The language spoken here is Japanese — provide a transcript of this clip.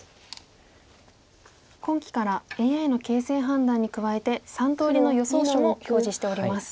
今期からＡＩの形勢判断に加えて３通りの予想手も表示しております。